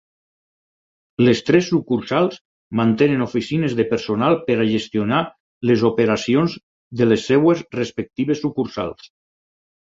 Les tres sucursals mantenen oficines de personal per a gestionar les operacions de les seves respectives sucursals.